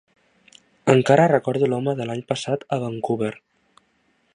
Encara recordo l'home de l'any passat a Vancouver.